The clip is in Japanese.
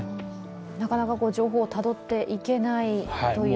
なかなか情報をたどっていけないという。